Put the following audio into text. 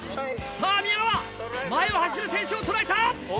さぁ宮川前を走る選手をとらえた！